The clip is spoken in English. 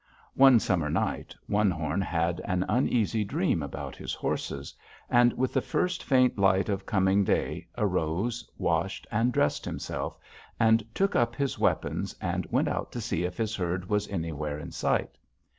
"One summer night One Horn had an uneasy dream about his horses, and with the first faint light of coming day arose, washed and dressed himself, and took up his weapons and went out to see if his herd was anywhere in sight.